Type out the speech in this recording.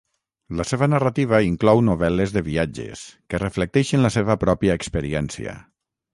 La seva narrativa inclou novel·les de viatges, que reflecteixen la seva pròpia experiència.